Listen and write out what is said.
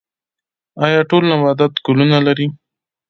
ایا ټول نباتات ګلونه لري؟